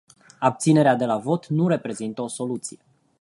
Abținerea de la vot nu reprezintă o soluție.